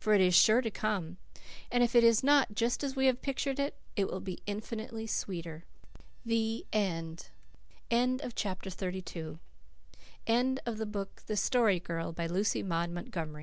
For it is sure to come; and if it be not just as we have pictured it, it will be infinitely sweeter. THE END. End of the Project Gutenberg EBook of The Story Girl, by Lucy Maud Montgomery E